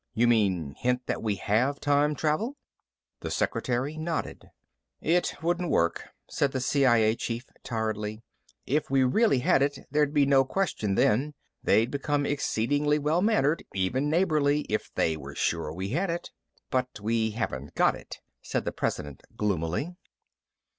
"You mean hint that we have time travel?" The secretary nodded. "It wouldn't work," said the CIA chief tiredly. "If we really had it, there'd be no question then. They'd become exceedingly well mannered, even neighborly, if they were sure we had it." "But we haven't got it," said the President gloomily.